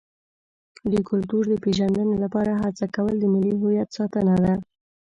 د کلتور د پیژندنې لپاره هڅه کول د ملي هویت ساتنه ده.